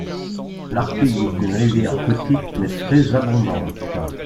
L'Artigue est une rivière petite, mais très abondante.